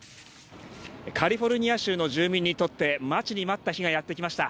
カリフォルニア州の住民にとって待ちに待った日がやってきました。